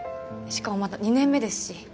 しかもまだ２年目ですし。